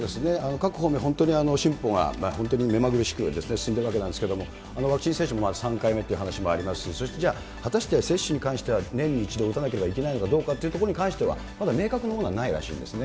各方面、進歩が本当に目まぐるしく進んでいるわけなんですけれども、ワクチン接種も３回目という話もありますし、そしてじゃあ、果たして接種に関しては年に１度打たなければいけないのかどうかということに関しては、まだ明確なものはないらしいんですね。